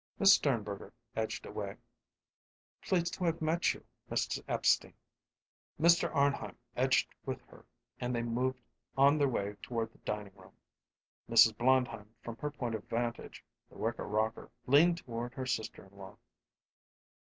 Miss Sternberger edged away. "Pleased to have met you, Mr. Epstein." Mr. Arnheim edged with her and they moved on their way toward the dining room. Mrs. Blondheim from her point of vantage the wicker rocker leaned toward her sister in law.